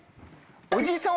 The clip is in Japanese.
おじいさん